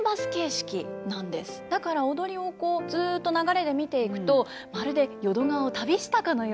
だから踊りをずっと流れで見ていくとまるで淀川を旅したかのような。